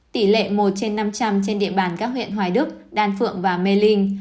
tỷ lệ một trên năm trăm linh trên địa bàn các huyện hoài đức đan phượng và mê linh